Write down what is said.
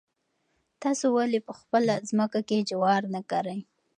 تاسو ولې په خپله ځمکه کې جوار نه کرئ؟